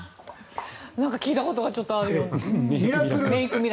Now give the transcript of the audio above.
なんか聞いたことがあるような。